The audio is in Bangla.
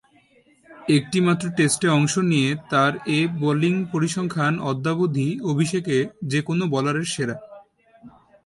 একটিমাত্র টেস্টে অংশ নিয়ে তার এ বোলিং পরিসংখ্যান অদ্যাবধি অভিষেকে যে-কোন বোলারের সেরা।